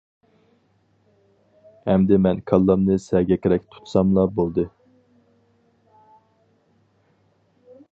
ئەمدى مەن كاللامنى سەگەكرەك تۇتساملا بولدى.